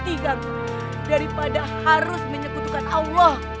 lebih baik aku mati kang daripada harus menyekutukan allah